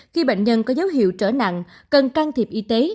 khi bệnh nhân có dấu hiệu trở nặng cần can thiệp y tế